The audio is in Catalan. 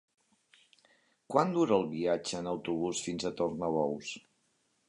Quant dura el viatge en autobús fins a Tornabous?